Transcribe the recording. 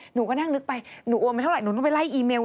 หนูก็นั่งนึกไปหนูโอนไปเท่าไหหนูต้องไปไล่อีเมล